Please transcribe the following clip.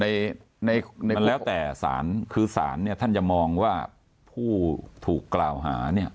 ในในแล้วแต่สารคือสารเนี่ยท่านจะมองว่าผู้ถูกกล่าวหาเนี่ย